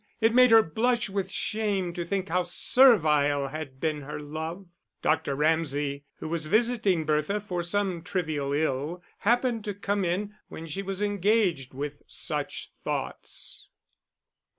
It made her blush with shame to think how servile had been her love. Dr. Ramsay, who was visiting Bertha for some trivial ill, happened to come in when she was engaged with such thoughts.